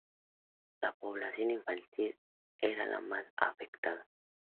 La población infantil era la más afectada.